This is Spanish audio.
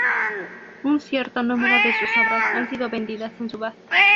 Un cierto número de sus obras han sido vendidas en subastas.